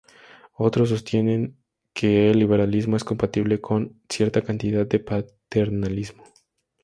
Otros sostienen que el liberalismo es compatible con cierta cantidad de paternalismo.